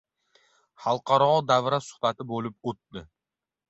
xalqaro davra suhbati bo‘lib o‘tdi.